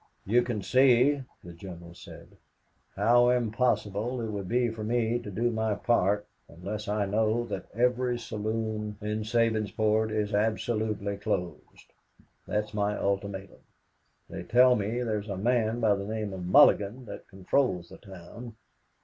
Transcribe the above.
"You can see," the General had said, "how impossible it will be for me to do my part unless I know that every saloon in Sabinsport is absolutely closed. That's my ultimatum. They tell me that there's a man by the name of Mulligan that controls the town.